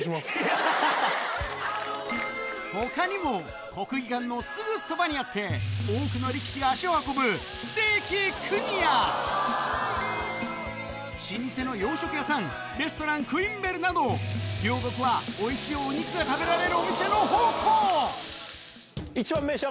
他にも国技館のすぐそばにあって多くの力士が足を運ぶステーキくにや老舗の洋食屋さんレストランクインベルなど両国はおいしいお肉が食べられるお店の宝庫！